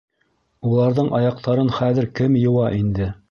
Уларҙың аяҡтарын хәҙер кем йыуа инде?